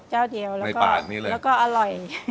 เจ้าเดียวแล้วก็อร่อย